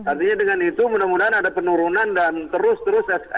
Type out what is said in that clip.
artinya dengan itu mudah mudahan ada penurunan dan terus terusan